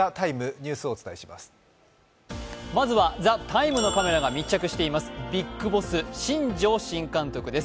まずは「ＴＨＥＴＩＭＥ，」のカメラが密着していますビッグボス、新庄新監督です。